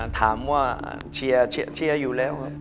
ถามว่าเชียร์อยู่แล้ว